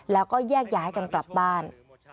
แล้วก็แยกย้ายกันกลับบ้าน